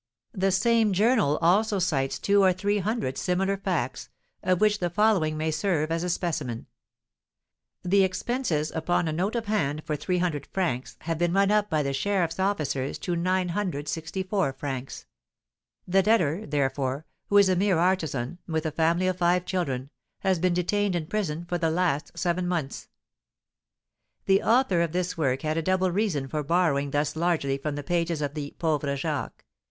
The same journal also cites two or three hundred similar facts, of which the following may serve as a specimen: "The expenses upon a note of hand for 300_f._ have been run up by the sheriffs' officers to 964_f._; the debtor, therefore, who is a mere artisan, with a family of five children, has been detained in prison for the last seven months!" The author of this work had a double reason for borrowing thus largely from the pages of the "Pauvre Jacques."